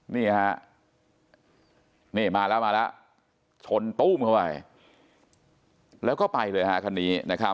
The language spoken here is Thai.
นี่มาแล้วชนตู้มเข้าใจแล้วก็ไปเลยคันนี้